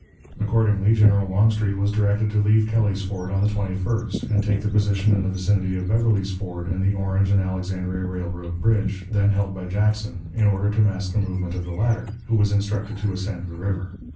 Accordingly, General Longstreet was directed to leave Kelly's Ford on the 21st, and take the position in the vicinity of Beverly's Ford and the Orange and Alexandria Railroad bridge, then held by Jackson, in order to mask the movement of the latter, who was instructed to ascend the river.